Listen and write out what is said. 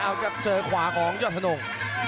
เอาครับเจอขวาของยอดธนง